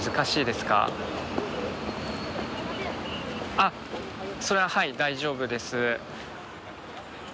あっそれははい大丈夫です。